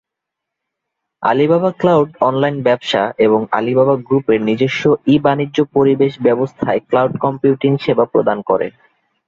Alibaba cloud online ব্যবসা এবং Alibaba গ্রুপের নিজস্ব ই-বাণিজ্য পরিবেশ ব্যবস্থায় ক্লাউড কম্পিউটিং সেবা প্রদান করে।